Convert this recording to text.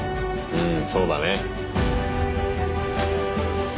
うんそうだね。